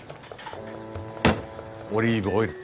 オリーブオイル。